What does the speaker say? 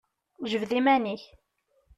Jbed iman-ik!